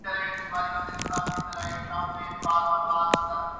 جب پاکستانی قوم کو ایک ایسے ہی موقع کی تلاش تھی۔